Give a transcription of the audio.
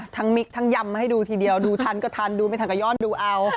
มิกทั้งยำมาให้ดูทีเดียวดูทันก็ทันดูไม่ทันก็ย่อนดูเอา